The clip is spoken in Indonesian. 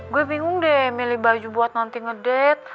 gue bingung deh milih baju buat nanti ngedet